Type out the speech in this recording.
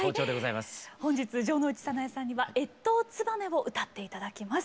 本日城之内早苗さんには「越冬つばめ」を歌って頂きます。